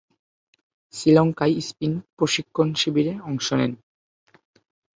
শ্রীলঙ্কায় স্পিন প্রশিক্ষণ শিবিরে অংশ নেন।